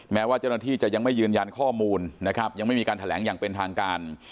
แม้ว่าเจ้าหน้าที่จะยังไม่ยืนยันข้อมูลนะครับยังไม่มีการแถลงอย่างเป็นทางการ